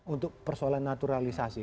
untuk persoalan naturalisasi